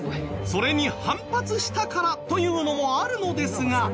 それに反発したからというのもあるのですが。